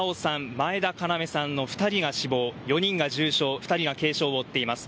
前田要さんの２人が死亡４人が重傷２人が軽傷を負っています。